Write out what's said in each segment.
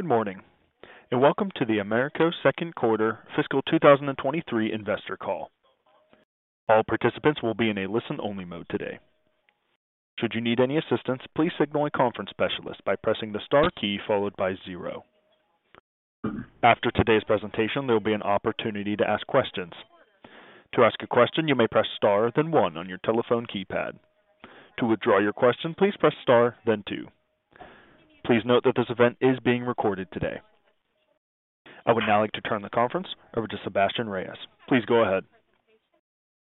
Good morning, and welcome to the AMERCO second quarter fiscal 2023 investor call. All participants will be in a listen-only mode today. Should you need any assistance, please signal a conference specialist by pressing the star key followed by zero. After today's presentation, there will be an opportunity to ask questions. To ask a question, you may press star then one on your telephone keypad. To withdraw your question, please press star then two. Please note that this event is being recorded today. I would now like to turn the conference over to Sebastien Reyes. Please go ahead.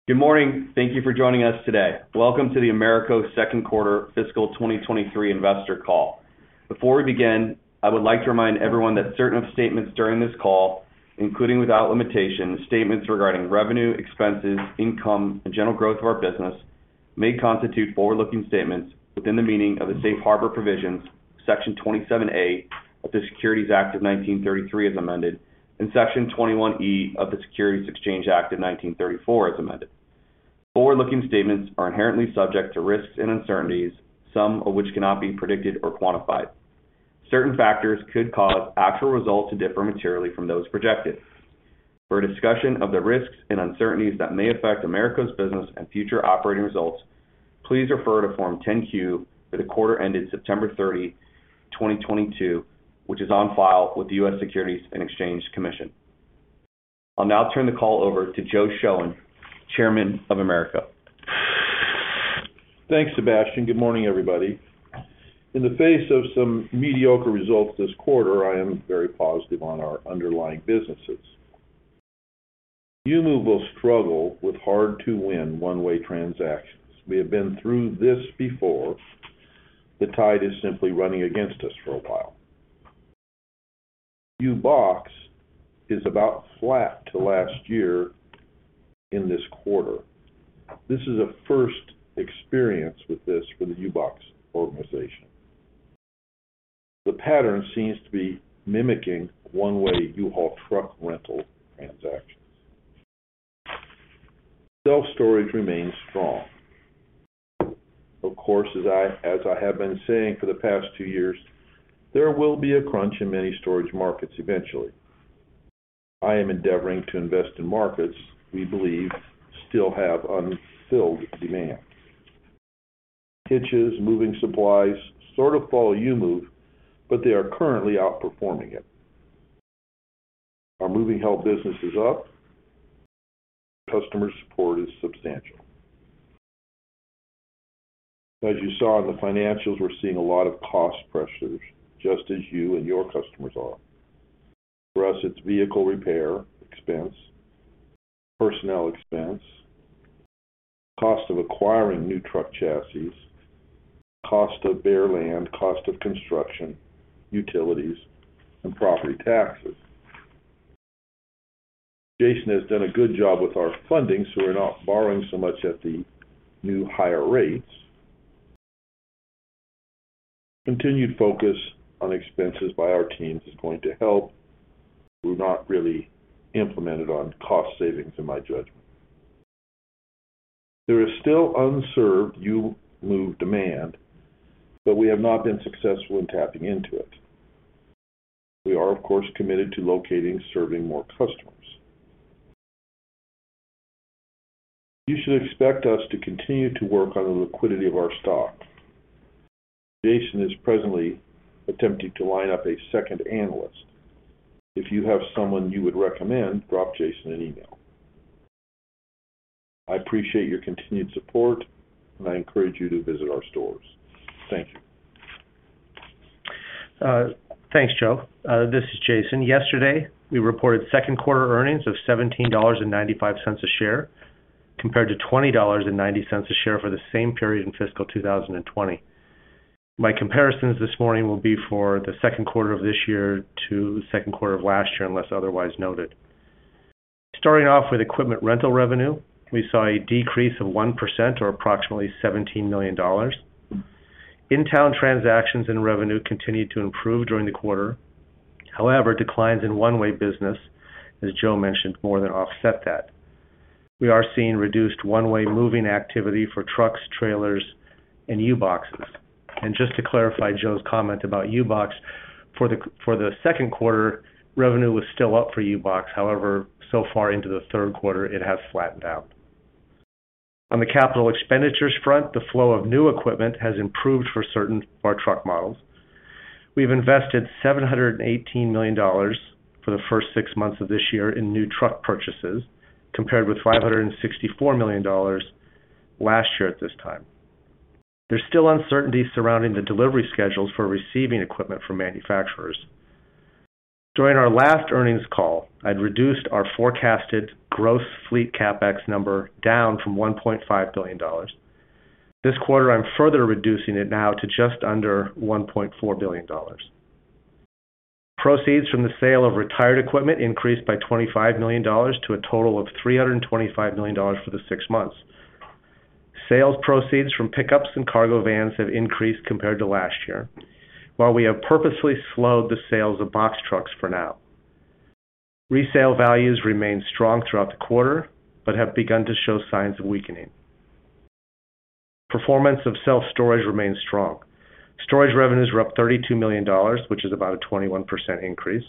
Good morning. Thank you for joining us today. Welcome to the AMERCO second quarter fiscal 2023 investor call. Before we begin, I would like to remind everyone that certain statements during this call, including without limitation, statements regarding revenue, expenses, income, and general growth of our business, may constitute forward-looking statements within the meaning of the Safe Harbor Provisions, Section 27A of the Securities Act of 1933 as amended, and Section 21E of the Securities Exchange Act of 1934 as amended. Forward-looking statements are inherently subject to risks and uncertainties, some of which cannot be predicted or quantified. Certain factors could cause actual results to differ materially from those projected. For a discussion of the risks and uncertainties that may affect AMERCO's business and future operating results, please refer to Form 10-Q for the quarter ended September 30, 2022, which is on file with the U.S. Securities and Exchange Commission. I'll now turn the call over to Joe Shoen, Chairman of AMERCO. Thanks, Sebastien. Good morning, everybody. In the face of some mediocre results this quarter, I am very positive on our underlying businesses. U-Move will struggle with hard to win one-way transactions. We have been through this before. The tide is simply running against us for a while. U-Box is about flat to last year in this quarter. This is a first experience with this for the U-Box organization. The pattern seems to be mimicking one-way U-Haul truck rental transactions. Self-storage remains strong. Of course, as I have been saying for the past two years, there will be a crunch in many storage markets eventually. I am endeavoring to invest in markets we believe still have unfilled demand. Hitches, moving supplies sort of follow U-Move, but they are currently outperforming it. Our Moving Help business is up. Customer support is substantial. As you saw in the financials, we're seeing a lot of cost pressures, just as you and your customers are. For us, it's vehicle repair expense, personnel expense, cost of acquiring new truck chassis, cost of bare land, cost of construction, utilities, and property taxes. Jason has done a good job with our funding, so we're not borrowing so much at the new higher rates. Continued focus on expenses by our teams is going to help. We're not really tapped out on cost savings in my judgment. There is still unserved U-Move demand, but we have not been successful in tapping into it. We are, of course, committed to locating and serving more customers. You should expect us to continue to work on the liquidity of our stock. Jason is presently attempting to line up a second analyst. If you have someone you would recommend, drop Jason an email. I appreciate your continued support, and I encourage you to visit our stores. Thank you. Thanks, Joe. This is Jason. Yesterday, we reported second-quarter earnings of $17.95 a share, compared to $20.90 a share for the same period in fiscal 2020. My comparisons this morning will be for the second quarter of this year to the second quarter of last year, unless otherwise noted. Starting off with equipment rental revenue, we saw a decrease of 1% or approximately $17 million. In-town transactions and revenue continued to improve during the quarter. However, declines in one-way business, as Joe mentioned, more than offset that. We are seeing reduced one-way moving activity for trucks, trailers, and U-Boxes. Just to clarify Joe's comment about U-Box, for the second quarter, revenue was still up for U-Box. However, so far into the third quarter, it has flattened out. On the capital expenditures front, the flow of new equipment has improved for certain of our truck models. We've invested $718 million for the first six months of this year in new truck purchases, compared with $564 million last year at this time. There's still uncertainty surrounding the delivery schedules for receiving equipment from manufacturers. During our last earnings call, I'd reduced our forecasted gross fleet CapEx number down from $1.5 billion. This quarter, I'm further reducing it now to just under $1.4 billion. Proceeds from the sale of retired equipment increased by $25 million to a total of $325 million for the six months. Sales proceeds from pickups and cargo vans have increased compared to last year, while we have purposely slowed the sales of box trucks for now. Resale values remained strong throughout the quarter, but have begun to show signs of weakening. Performance of self-storage remains strong. Storage revenues were up $32 million, which is about a 21% increase.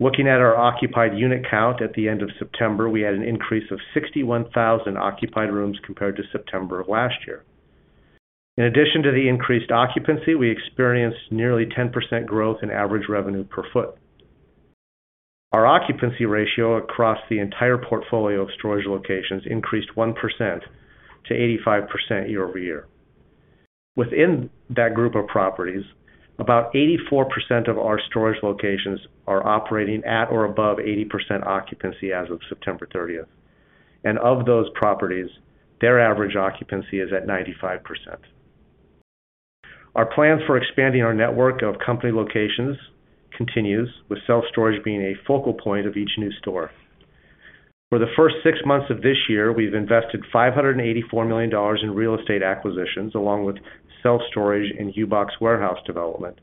Looking at our occupied unit count at the end of September, we had an increase of 61,000 occupied rooms compared to September of last year. In addition to the increased occupancy, we experienced nearly 10% growth in average revenue per foot. Our occupancy ratio across the entire portfolio of storage locations increased 1% to 85% year-over-year. Within that group of properties, about 84% of our storage locations are operating at or above 80% occupancy as of September 30th. Of those properties, their average occupancy is at 95%. Our plans for expanding our network of company locations continues, with self-storage being a focal point of each new store. For the first six months of this year, we've invested $584 million in real estate acquisitions, along with self-storage and U-Box warehouse development.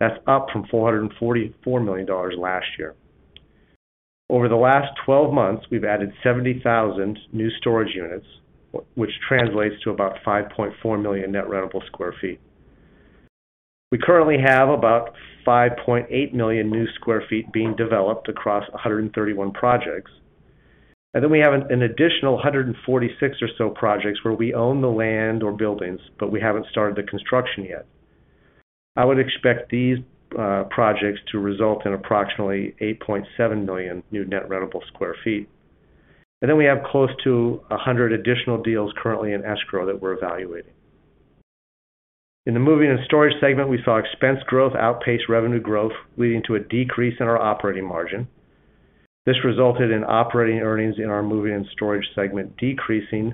That's up from $444 million last year. Over the last 12 months, we've added 70,000 new storage units, which translates to about 5.4 million net rentable sq ft. We currently have about 5.8 million new sq ft being developed across 131 projects. We have an additional 146 or so projects where we own the land or buildings, but we haven't started the construction yet. I would expect these projects to result in approximately 8.7 million new net rentable sq ft. We have close to 100 additional deals currently in escrow that we're evaluating. In the moving and storage segment, we saw expense growth outpace revenue growth, leading to a decrease in our operating margin. This resulted in operating earnings in our moving and storage segment decreasing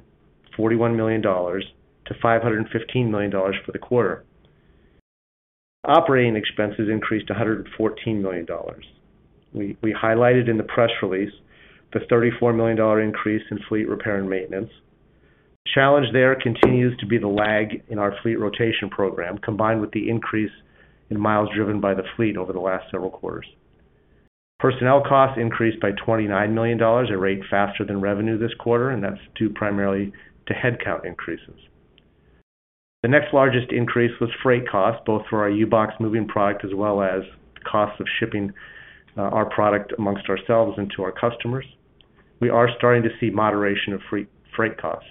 $41 million-$515 million for the quarter. Operating expenses increased $114 million. We highlighted in the press release the $34 million increase in fleet repair and maintenance. The challenge there continues to be the lag in our fleet rotation program, combined with the increase in miles driven by the fleet over the last several quarters. Personnel costs increased by $29 million, a rate faster than revenue this quarter, and that's due primarily to headcount increases. The next largest increase was freight costs, both for our U-Box moving product as well as the cost of shipping, our product amongst ourselves and to our customers. We are starting to see moderation of freight costs.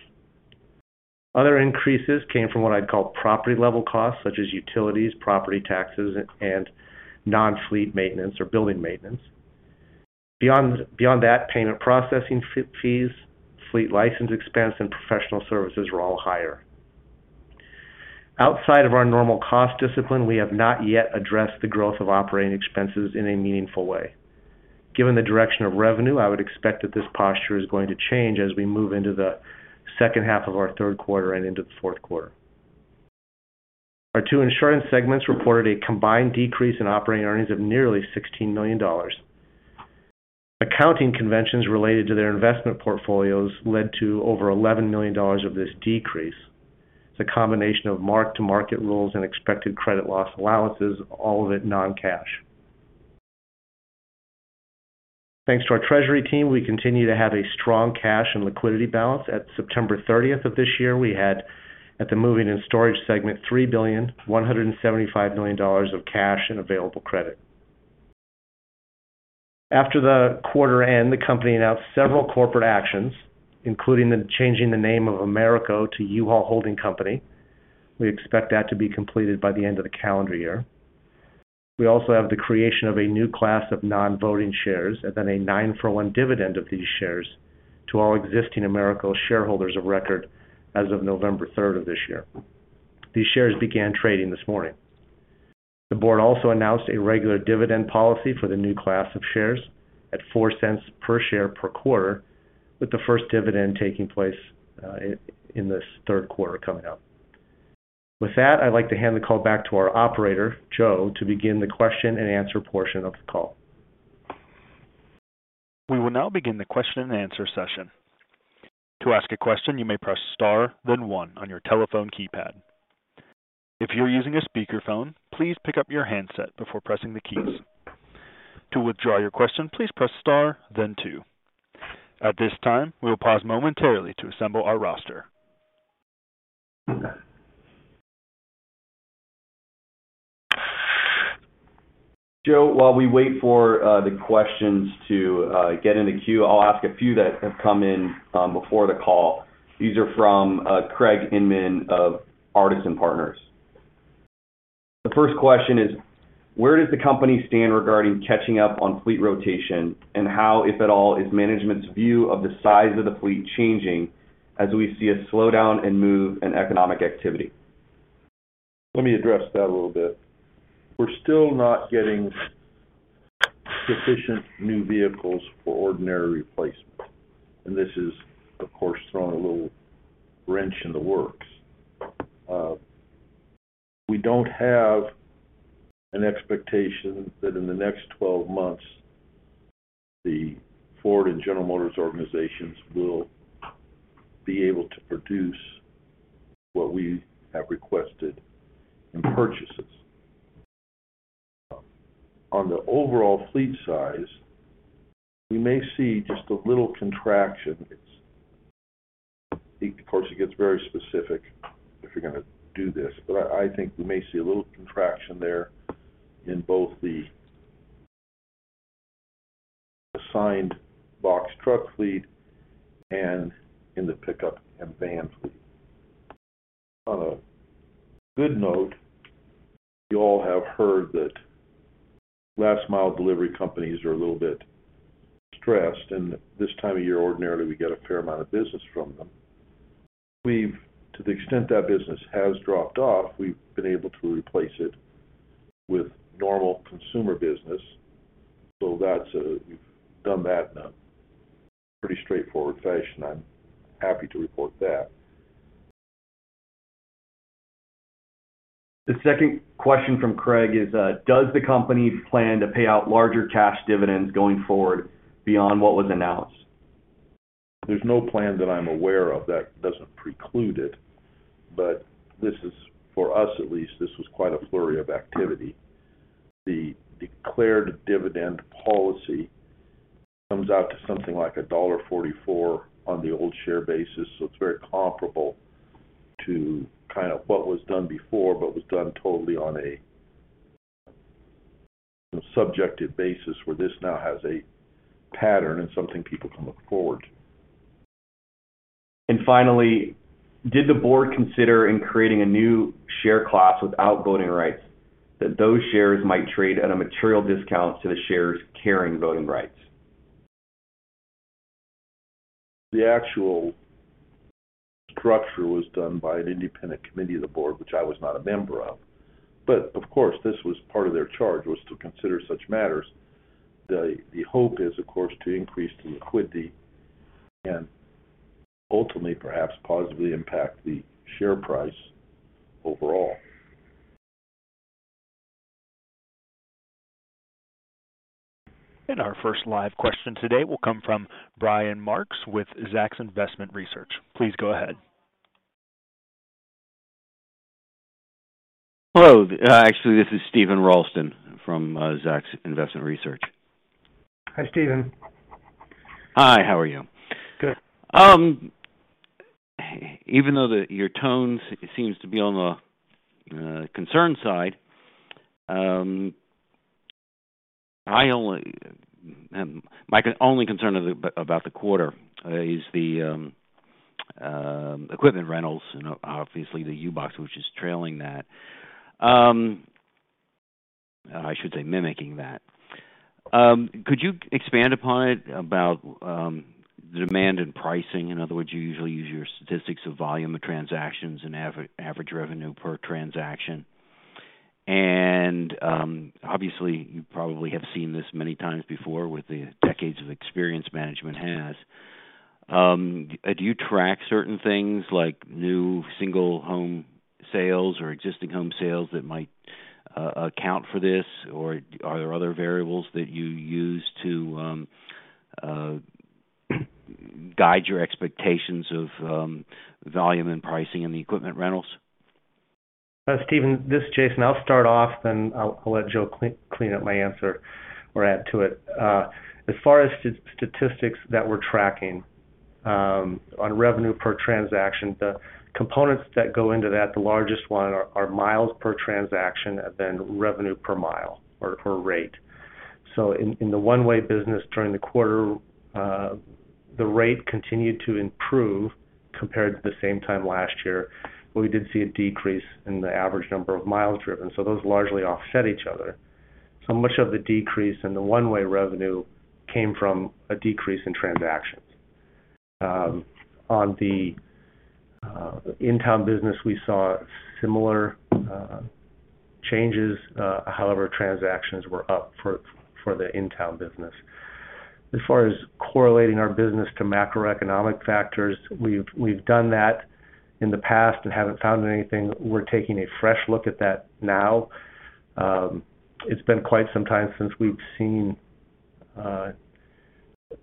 Other increases came from what I'd call property level costs, such as utilities, property taxes, and non-fleet maintenance or building maintenance. Beyond that, payment processing fees, fleet license expense, and professional services were all higher. Outside of our normal cost discipline, we have not yet addressed the growth of operating expenses in a meaningful way. Given the direction of revenue, I would expect that this posture is going to change as we move into the second half of our third quarter and into the fourth quarter. Our two insurance segments reported a combined decrease in operating earnings of nearly $16 million. Accounting conventions related to their investment portfolios led to over $11 million of this decrease. It's a combination of mark-to-market rules and expected credit loss allowances, all of it non-cash. Thanks to our treasury team, we continue to have a strong cash and liquidity balance. At September 30th of this year, we had, at the moving and storage segment, $3.175 billion of cash and available credit. After the quarter end, the company announced several corporate actions, including the changing the name of AMERCO to U-Haul Holding Company. We expect that to be completed by the end of the calendar year. We also have the creation of a new class of non-voting shares, and then a 9-for-1 dividend of these shares to all existing AMERCO shareholders of record as of November 3rd of this year. These shares began trading this morning. The board also announced a regular dividend policy for the new class of shares at $0.04 per share per quarter, with the first dividend taking place in this third quarter coming up. With that, I'd like to hand the call back to our operator, Joe, to begin the question and answer portion of the call. We will now begin the question and answer session. To ask a question, you may press star, then one on your telephone keypad. If you're using a speakerphone, please pick up your handset before pressing the keys. To withdraw your question, please press star, then two. At this time, we'll pause momentarily to assemble our roster. Joe, while we wait for the questions to get in the queue, I'll ask a few that have come in before the call. These are from Craig Inman of Artisan Partners. The first question is: Where does the company stand regarding catching up on fleet rotation? How, if at all, is management's view of the size of the fleet changing as we see a slowdown in moving and economic activity? Let me address that a little bit. We're still not getting sufficient new vehicles for ordinary replacement, and this is, of course, throwing a little wrench in the works. We don't have an expectation that in the next 12 months, the Ford and General Motors organizations will be able to produce what we have requested in purchases. On the overall fleet size, we may see just a little contraction. I think, of course, it gets very specific if you're gonna do this, but I think we may see a little contraction there in both the assigned box truck fleet and in the pickup and van fleet. On a good note, you all have heard that last mile delivery companies are a little bit stressed, and this time of year, ordinarily, we get a fair amount of business from them. To the extent that business has dropped off, we've been able to replace it with normal consumer business. We've done that in a pretty straightforward fashion. I'm happy to report that. The second question from Craig is, does the company plan to pay out larger cash dividends going forward beyond what was announced? There's no plan that I'm aware of that doesn't preclude it. This is, for us at least, this was quite a flurry of activity. The declared dividend policy comes out to something like $1.44 on the old share basis, so it's very comparable to kind of what was done before, but was done totally on a subjective basis, where this now has a pattern and something people can look forward to. Finally, did the board consider in creating a new share class without voting rights that those shares might trade at a material discount to the shares carrying voting rights? The actual structure was done by an independent committee of the board, which I was not a member of. Of course, this was part of their charge, was to consider such matters. The hope is, of course, to increase the liquidity and ultimately perhaps positively impact the share price overall. Our first live question today will come from Brian Marckx with Zacks Investment Research. Please go ahead. Hello. Actually, this is Steven Ralston from Zacks Investment Research. Hi, Steven. Hi, how are you? Good. Even though your tone seems to be on the concern side, my only concern about the quarter is the equipment rentals and obviously the U-Box, which is trailing that. I should say mimicking that. Could you expand upon it about the demand and pricing? In other words, you usually use your statistics of volume of transactions and average revenue per transaction. Obviously, you probably have seen this many times before with the decades of experience management has. Do you track certain things like new single home sales or existing home sales that might account for this? Or are there other variables that you use to guide your expectations of volume and pricing in the equipment rentals? Steven, this is Jason. I'll start off, then I'll let Joe clean up my answer or add to it. As far as statistics that we're tracking on revenue per transaction, the components that go into that, the largest one are miles per transaction and then revenue per mile or rate. In the one-way business during the quarter, the rate continued to improve compared to the same time last year, but we did see a decrease in the average number of miles driven. Those largely offset each other. Much of the decrease in the one-way revenue came from a decrease in transactions. On the in-town business, we saw similar changes. However, transactions were up for the in-town business. As far as correlating our business to macroeconomic factors, we've done that in the past and haven't found anything. We're taking a fresh look at that now. It's been quite some time since we've seen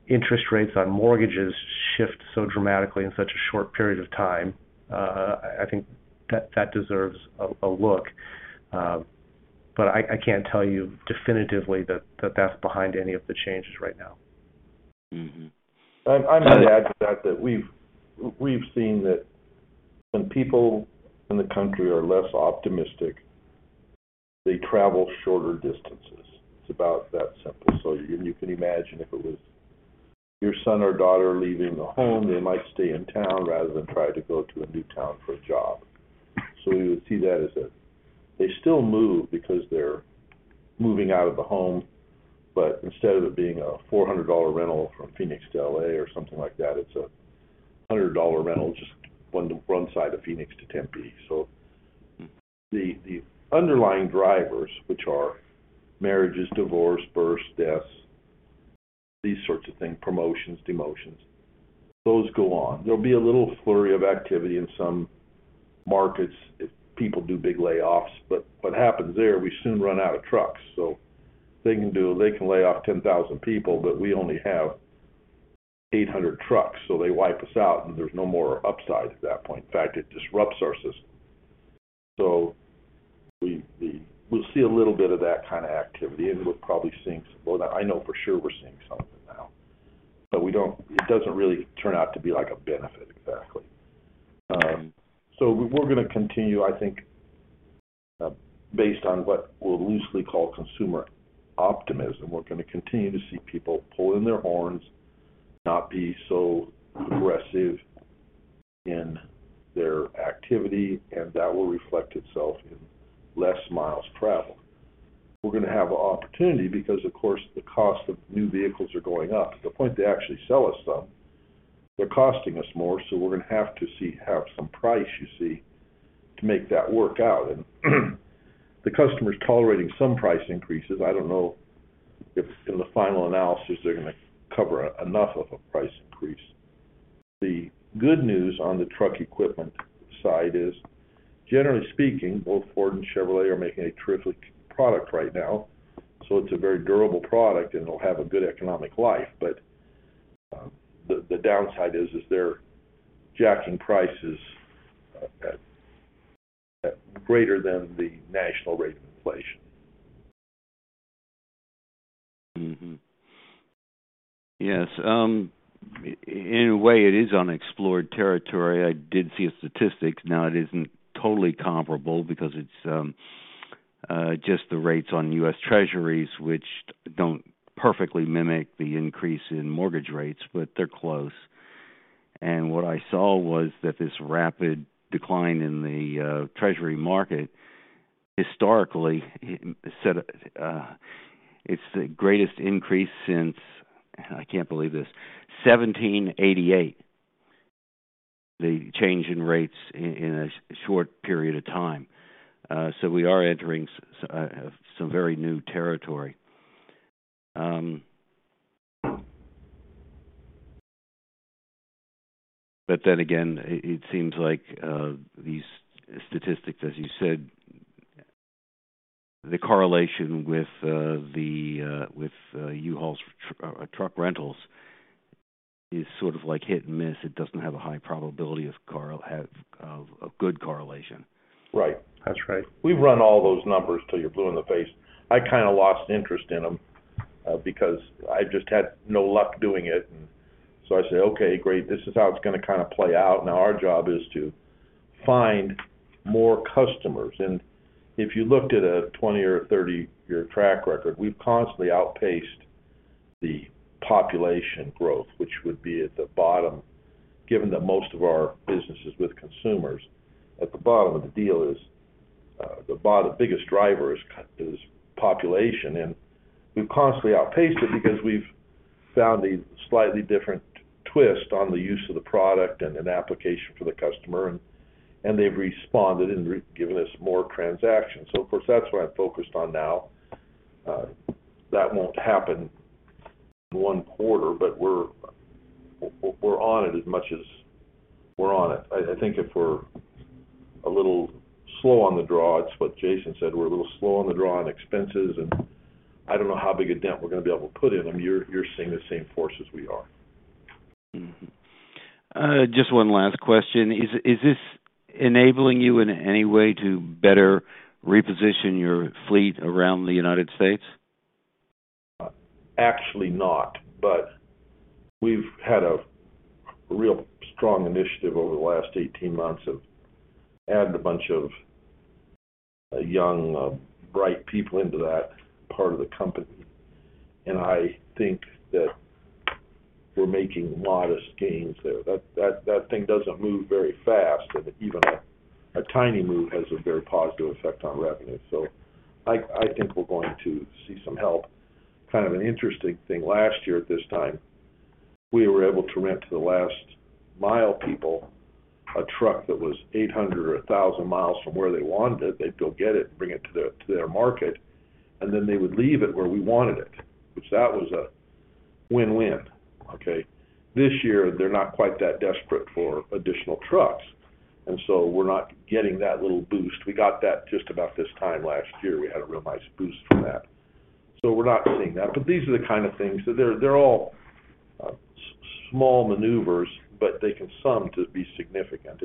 interest rates on mortgages shift so dramatically in such a short period of time. I think that deserves a look. I can't tell you definitively that that's behind any of the changes right now. Mm-hmm. I might add to that we've seen that when people in the country are less optimistic, they travel shorter distances. It's about that simple. You can imagine if it was your son or daughter leaving the home, they might stay in town rather than try to go to a new town for a job. We would see that. They still move because they're moving out of the home. Instead of it being a $400 rental from Phoenix to L.A. or something like that, it's a $100 rental just on the one side of Phoenix to Tempe. The underlying drivers, which are marriages, divorce, births, deaths, these sorts of things, promotions, demotions, those go on. There'll be a little flurry of activity in some markets if people do big layoffs. What happens there, we soon run out of trucks. They can lay off 10,000 people, but we only have 800 trucks, so they wipe us out, and there's no more upside at that point. In fact, it disrupts our system. We'll see a little bit of that kind of activity, and we're probably seeing some more. I know for sure we're seeing some of it now, but it doesn't really turn out to be like a benefit exactly. We're gonna continue, I think, based on what we'll loosely call consumer optimism. We're gonna continue to see people pull in their horns, not be so aggressive in their activity, and that will reflect itself in less miles traveled. We're gonna have an opportunity because, of course, the cost of new vehicles are going up to the point they actually sell us some. They're costing us more, so we're gonna have to have some price, you see, to make that work out. Customers are tolerating some price increases. I don't know if in the final analysis, they're gonna cover enough of a price increase. The good news on the truck equipment side is, generally speaking, both Ford and Chevrolet are making a terrific product right now, so it's a very durable product, and it'll have a good economic life. The downside is they're jacking prices at greater than the national rate of inflation. Yes. In a way, it is unexplored territory. I did see a statistic. Now, it isn't totally comparable because it's just the rates on U.S. Treasuries, which don't perfectly mimic the increase in mortgage rates, but they're close. What I saw was that this rapid decline in the Treasury market historically, it said, it's the greatest increase since, I can't believe this, 1788, the change in rates in a short period of time. We are entering some very new territory. Then again, it seems like these statistics, as you said, the correlation with U-Haul's truck rentals is sort of like hit and miss. It doesn't have a high probability of having a good correlation. Right. That's right. We've run all those numbers till you're blue in the face. I kinda lost interest in them, because I just had no luck doing it. I said, "Okay, great. This is how it's gonna kinda play out." Now our job is to find more customers. If you looked at a 20- or 30-year track record, we've constantly outpaced the population growth, which would be at the bottom, given that most of our business is with consumers. At the bottom of the deal is, the biggest driver is population. We've constantly outpaced it because we've found a slightly different twist on the use of the product and an application for the customer, and they've responded and given us more transactions. Of course, that's what I'm focused on now. That won't happen one quarter, but we're on it as much as we're on it. I think if we're a little slow on the draw, it's what Jason said, we're a little slow on the draw on expenses, and I don't know how big a dent we're gonna be able to put in them. You're seeing the same forces we are. Just one last question. Is this enabling you in any way to better reposition your fleet around the United States? Actually not, but we've had a real strong initiative over the last 18 months of adding a bunch of young, bright people into that part of the company. I think that we're making modest gains there. That thing doesn't move very fast, and even a tiny move has a very positive effect on revenue. I think we're going to see some help. Kind of an interesting thing. Last year at this time, we were able to rent to the last mile people a truck that was 800 or 1,000 miles from where they wanted it. They'd go get it and bring it to their market, and then they would leave it where we wanted it, which was a win-win, okay? This year, they're not quite that desperate for additional trucks, and so we're not getting that little boost. We got that just about this time last year. We had a real nice boost from that. We're not seeing that. These are the kind of things that they're all small maneuvers, but they can sum to be significant.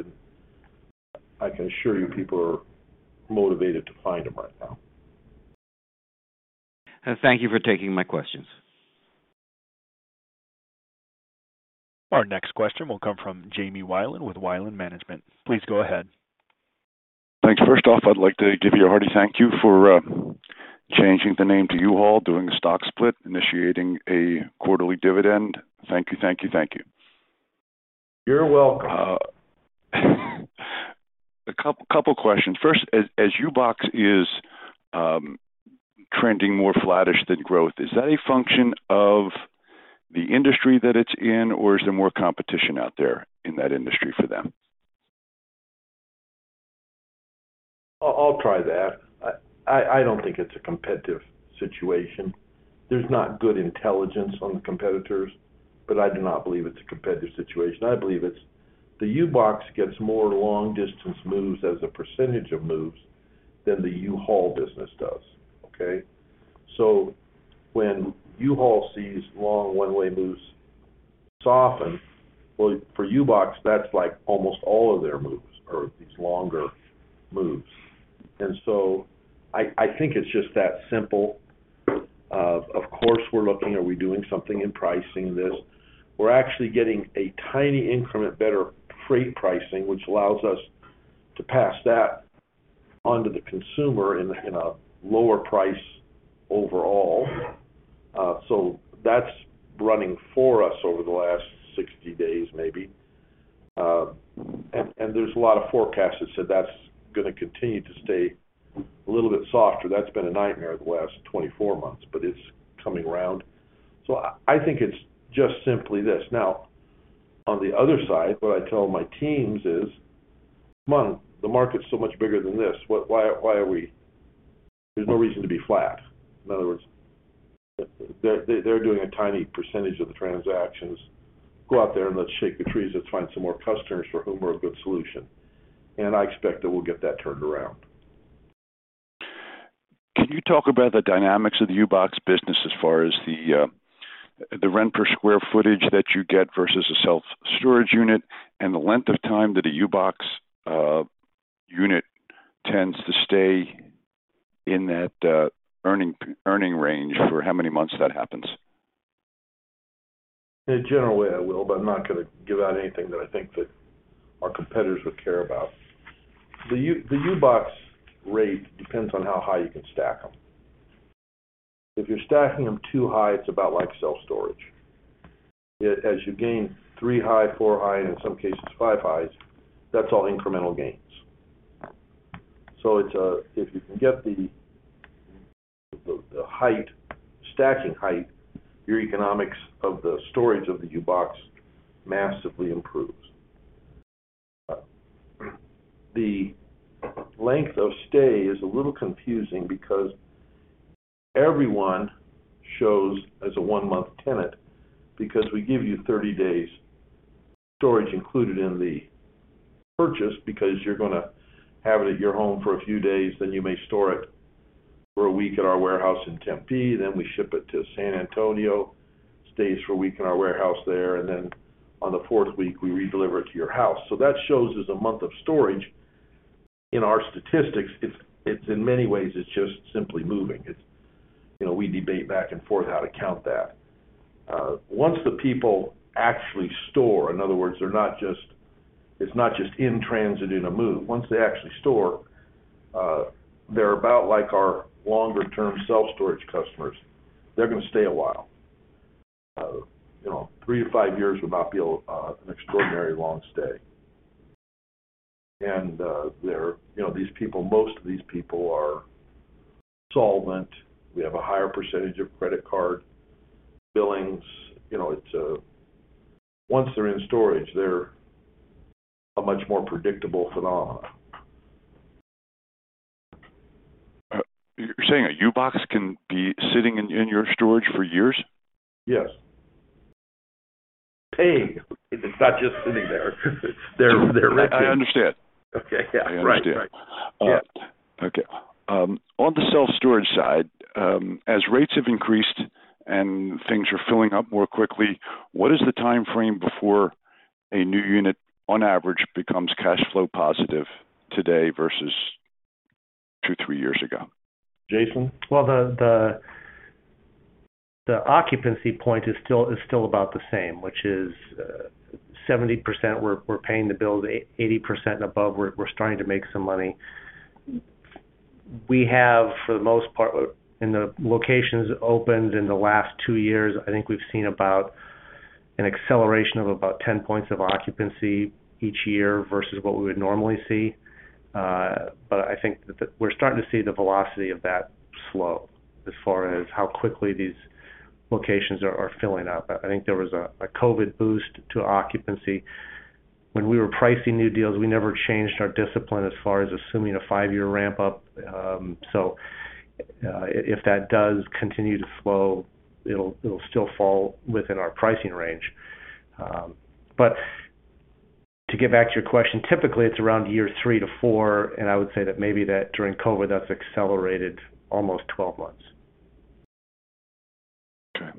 I can assure you, people are motivated to find them right now. Thank you for taking my questions. Our next question will come from Jamie Wilen with Wilen Management. Please go ahead. Thanks. First off, I'd like to give you a hearty thank you for changing the name to U-Haul, doing a stock split, initiating a quarterly dividend. Thank you, thank you, thank you. You're welcome. A couple questions. First, U-Box is trending more flattish than growth, is that a function of the industry that it's in, or is there more competition out there in that industry for them? I'll try that. I don't think it's a competitive situation. There's not good intelligence on the competitors, but I do not believe it's a competitive situation. I believe it's the U-Box gets more long-distance moves as a percentage of moves than the U-Haul business does, okay? When U-Haul sees long one-way moves soften, well, for U-Box, that's like almost all of their moves are these longer moves. I think it's just that simple. Of course, we're looking, are we doing something in pricing this? We're actually getting a tiny increment better freight pricing, which allows us to pass that on to the consumer in a lower price overall. That's running for us over the last 60 days maybe. There's a lot of forecasts that said that's gonna continue to stay a little bit softer. That's been a nightmare the last 24 months, but it's coming around. I think it's just simply this. Now, on the other side, what I tell my teams is, "Come on, the market's so much bigger than this. Why are we? There's no reason to be flat." In other words, they're doing a tiny percentage of the transactions. Go out there and let's shake the trees. Let's find some more customers for whom we're a good solution. I expect that we'll get that turned around. Can you talk about the dynamics of the U-Box business as far as the rent per square footage that you get versus a self-storage unit and the length of time that a U-Box unit tends to stay in that earning range for how many months that happens? In a general way, I will, but I'm not gonna give out anything that I think that our competitors would care about. The U-Box rate depends on how high you can stack them. If you're stacking them too high, it's about like self-storage. As you gain three high, four high, and in some cases five highs, that's all incremental gains. It's if you can get the height, stacking height, your economics of the storage of the U-Box massively improves. The length of stay is a little confusing because everyone shows as a one-month tenant because we give you 30 days storage included in the purchase because you're gonna have it at your home for a few days, then you may store it for a week at our warehouse in Tempe, then we ship it to San Antonio, stays for a week in our warehouse there, and then on the fourth week, we redeliver it to your house. That shows as a month of storage in our statistics. It's in many ways just simply moving. It's, you know, we debate back and forth how to count that. Once the people actually store, in other words, they're not just in transit in a move. Once they actually store, they're about like our longer-term self-storage customers. They're gonna stay a while. You know, three to five years would not be an extraordinary long stay. They're, you know, these people, most of these people are solvent. We have a higher percentage of credit card billings. You know, it's once they're in storage, they're a much more predictable phenomenon. You're saying a U-Box can be sitting in your storage for years? Yes. Paying. It's not just sitting there. They're renting. I understand. Okay. Yeah. I understand. Right. Right. Yeah. Okay. On the self-storage side, as rates have increased and things are filling up more quickly, what is the timeframe before a new unit, on average, becomes cash flow positive today versus two to three years ago? Jason? Well, the occupancy point is still about the same, which is 70% we're paying the bill. 80% above, we're starting to make some money. We have, for the most part, in the locations opened in the last two years, I think we've seen about an acceleration of about 10 points of occupancy each year versus what we would normally see. I think that we're starting to see the velocity of that slow as far as how quickly these locations are filling up. I think there was a COVID boost to occupancy. When we were pricing new deals, we never changed our discipline as far as assuming a five-year ramp-up. If that does continue to slow, it'll still fall within our pricing range. To get back to your question, typically, it's around year three to four, and I would say that maybe during COVID, that's accelerated almost 12 months. Okay.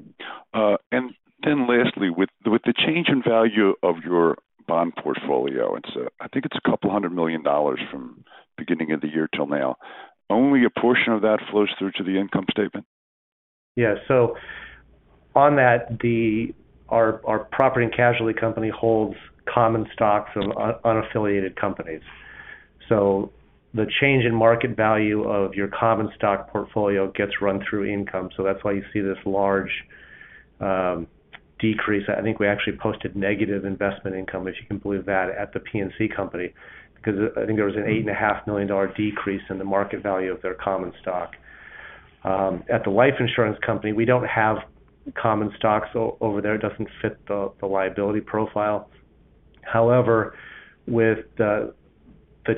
Lastly, with the change in value of your bond portfolio, it's, I think it's $200 million from beginning of the year till now. Only a portion of that flows through to the income statement? Yeah. On that, our property and casualty company holds common stocks of unaffiliated companies. The change in market value of your common stock portfolio gets run through income. That's why you see this large decrease. I think we actually posted negative investment income, if you can believe that, at the P&C company, because I think there was an $8.5 million decrease in the market value of their common stock. At the life insurance company, we don't have common stocks over there. It doesn't fit the liability profile. However, with the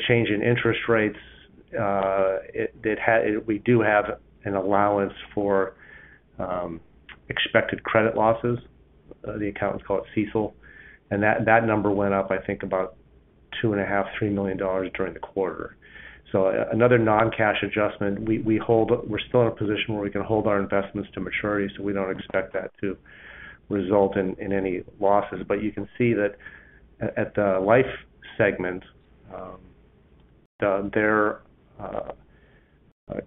change in interest rates, we do have an allowance for expected credit losses. The accountants call it CECL. That number went up, I think about $2.5-$3 million during the quarter. Another non-cash adjustment. We're still in a position where we can hold our investments to maturity, so we don't expect that to result in any losses. You can see that at the life segment, their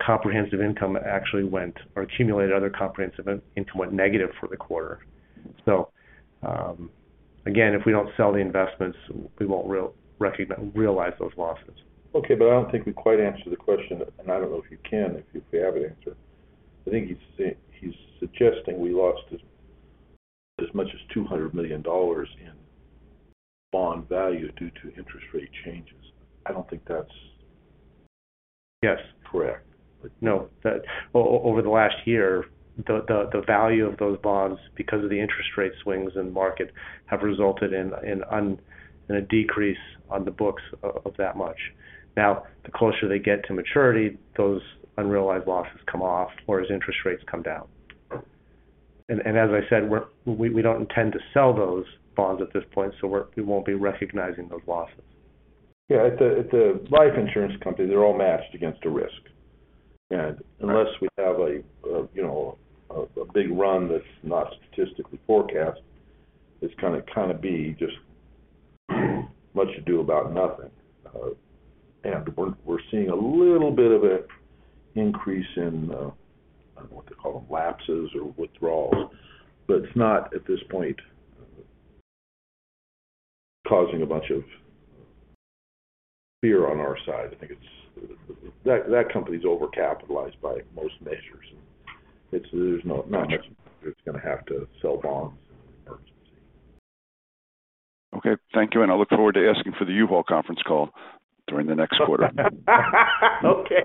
comprehensive income actually went or accumulated other comprehensive income went negative for the quarter. Again, if we don't sell the investments, we won't realize those losses. Okay. I don't think we quite answered the question, and I don't know if you can, if you have an answer. I think he's suggesting we lost as much as $200 million in bond value due to interest rate changes. I don't think that's. Yes. -correct. No. Over the last year, the value of those bonds because of the interest rate swings in the market have resulted in a decrease on the books of that much. Now, the closer they get to maturity, those unrealized losses come off or as interest rates come down. As I said, we don't intend to sell those bonds at this point, so we won't be recognizing those losses. At the life insurance company, they're all matched against the risk. Unless we have a big run that's not statistically forecast, it's gonna kinda be just much ado about nothing. We're seeing a little bit of an increase in, I don't know what to call them, lapses or withdrawals, but it's not at this point causing a bunch of fear on our side. I think it's that company is overcapitalized by most measures. There's not much it's gonna have to sell bonds in an emergency. Okay. Thank you, and I look forward to asking for the U-Haul conference call during the next quarter. Okay.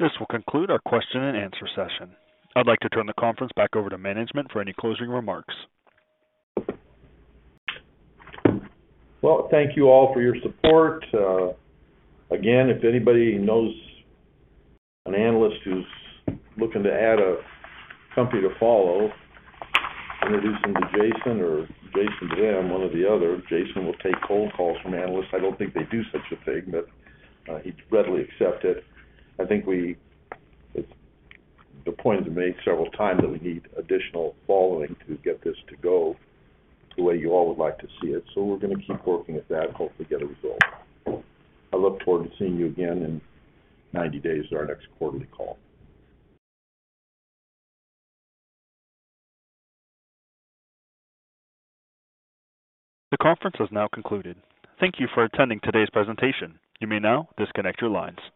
This will conclude our question and answer session. I'd like to turn the conference back over to management for any closing remarks. Well, thank you all for your support. Again, if anybody knows an analyst who's looking to add a company to follow, introduce him to Jason or Jason to them, one or the other. Jason will take cold calls from analysts. I don't think they do such a thing, but he'd readily accept it. It's the point that we made several times that we need additional following to get this to go the way you all would like to see it. We're gonna keep working at that and hopefully get a result. I look forward to seeing you again in 90 days at our next quarterly call. The conference has now concluded. Thank you for attending today's presentation. You may now disconnect your lines.